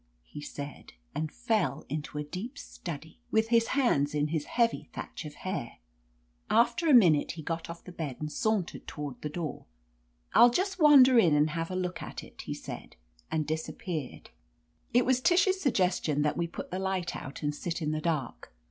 he said, and fell into a deep study, with his hands in his heavy thatch of hair. After a minute he got off the bed and sauntered toward the door. "I'll just wander in and have a look at it," he said, and disappeared. 62 OF LETITIA CARBERRY It was Tish's suggestion that we put the light: out and sit in the dark.